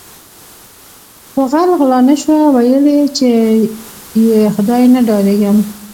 په غل غلا نشوه ویل یی چې ی خدای نه ډاریږم